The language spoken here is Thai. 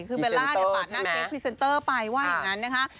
คือเบลล่าเนี่ยปาดหน้าเคสพรีเซนเตอร์ไปว่าอย่างนั้นนะคะ